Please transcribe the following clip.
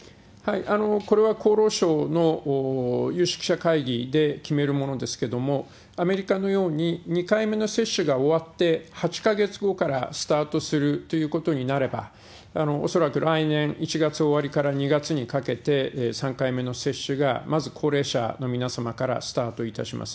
これは厚労省の有識者会議で決めるものですけれども、アメリカのように、２回目の接種が終わって８か月後からスタートするということになれば、恐らく来年１月終わりから２月にかけて３回目の接種が、まず高齢者の皆様からスタートいたします。